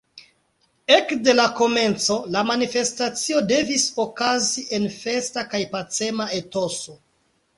Ekde la komenco, la manifestacio devis okazi en festa kaj pacema etoso.